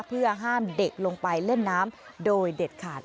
เพื่อห้ามเด็กลงไปเล่นน้ำโดยเด็ดขาด